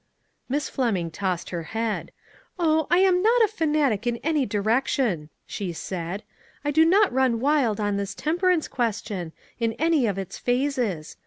Miss Fleming tossed her head. " Oh ! I am not a fanatic in any direc tion," she said. " I do not run wild on this temperance question, in any of its phases.